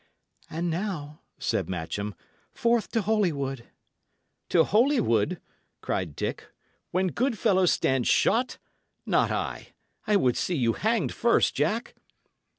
"And now," said Matcham, "forth to Holywood." "To Holywood!" cried Dick, "when good fellows stand shot? Not I! I would see you hanged first, Jack!"